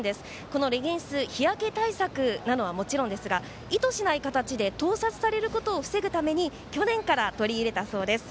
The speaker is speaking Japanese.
このレギンス日焼け対策なのはもちろんなのですが意図しない形で盗撮されることを防ぐために去年から取り入れたそうです。